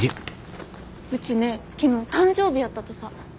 うちね昨日誕生日やったとさ。